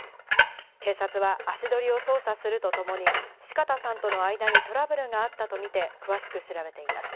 警察は足取りを捜査するとともに四方さんとの間にトラブルがあったとみて詳しく調べています。